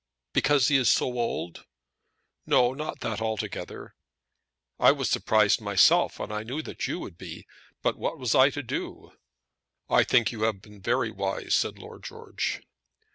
"Because he is so old?" "Not that altogether." "I was surprised myself, and I knew that you would be. But what was I to do?" "I think you have been very wise," said Lord George.